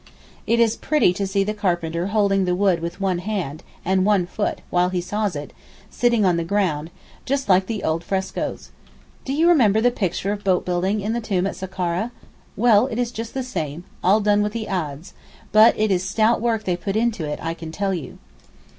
It is pretty to see the carpenter holding the wood with one hand and one foot while he saws it, sitting on the ground—just like the old frescoes. Do you remember the picture of boat building in the tomb at Sakkara? Well, it is just the same; all done with the adze; but it is stout work they put into it, I can tell you.